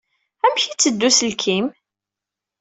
Amek ay yetteddu uselkim?